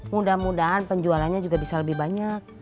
mudah mudahan penjualannya juga bisa lebih banyak